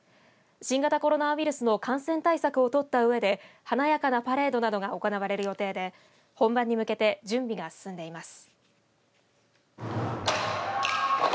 新型コロナウイルスの感染対策を取ったうえで華やかなパレードなどが行われる予定で本番に向けて準備が進んでいます。